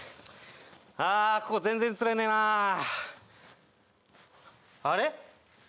ああここ全然釣れねえなああれ？